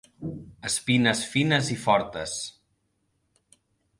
Espines fines i fortes.